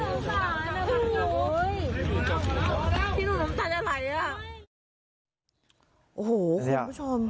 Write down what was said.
โอ้โหคุณผู้ชม